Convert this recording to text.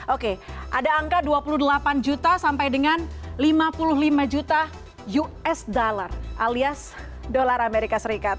oke ada angka dua puluh delapan juta sampai dengan lima puluh lima juta usd alias dolar amerika serikat